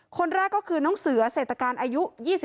คนแรกก็คือน้องเสือเศรษฐการอายุ๒๓